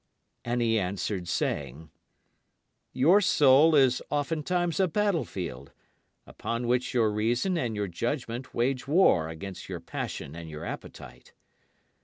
And he answered, saying: Your soul is oftentimes a battlefield, upon which your reason and your judgment wage war against your passion and your appetite.